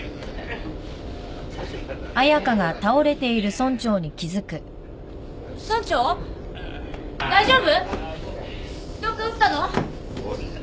村長大丈夫？